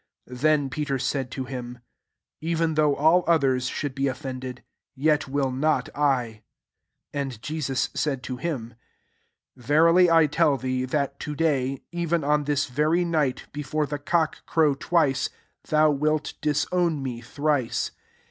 29 Then Peter said to him, "Even diough all others should be of fended, yet will not !.'* SO And Jesus said to him, << Verily 1 tell thee, that to day, even on this Tcry night, before the cock crow twice, thou wilt disown me thrice."